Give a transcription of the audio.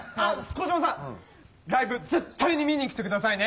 コジマさんライブ絶対に見に来てくださいね。